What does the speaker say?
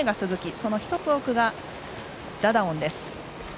その１つ奥がダダオンです。